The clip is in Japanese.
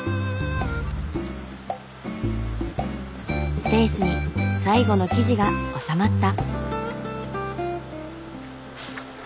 スペースに最後の記事が収まった。